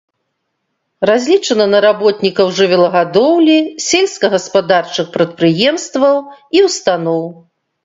Разлічана на работнікаў жывёлагадоўлі сельскагаспадарчых прадпрыемстваў і устаноў.